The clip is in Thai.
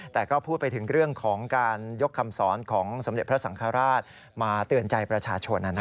แต่ก็พูดไปถึงเรื่องของการยกคำสอนของสมเด็จพระสังฆราชมาเตือนใจประชาชน